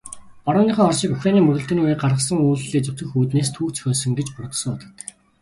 Барууныхан Оросыг Украины мөргөлдөөний үеэр гаргасан үйлдлээ зөвтгөх үүднээс түүх зохиосон гэж буруутгасан удаатай.